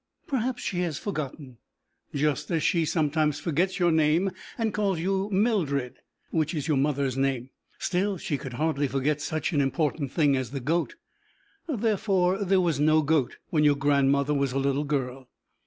Perhaps she has forgotten, just as she sometimes forgets your name and calls you Mildred, which is your mother's name. Still, she could hardly forget such an important thing as the goat. Therefore there was no goat when your grandmother was a little girl.